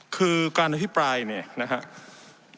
คือการอภิปรายเนี่ยนะครับ